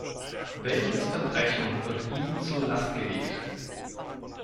Welches Verbrechen wird ihm zur Last gelegt?